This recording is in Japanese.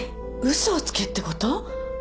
嘘をつけってこと？